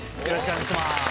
よろしくお願いします。